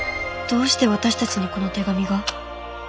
どうして私たちにこの手紙が？